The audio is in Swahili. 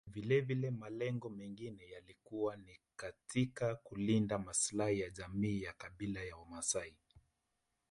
Vilevile malengo mengine yalikuwa ni katika kulinda maslahi ya jamii ya kabila la wamaasai